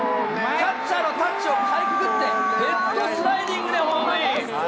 キャッチャーのキャッチをかいくぐって、ヘッドスライディングでホームイン。